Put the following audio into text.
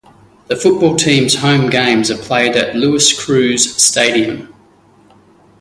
The football team's home games are played at Louis Crews Stadium.